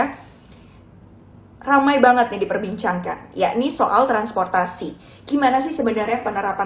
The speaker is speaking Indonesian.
hai ramai banget diperbincangkan yakni soal transportasi gimana sih sebenarnya penerapan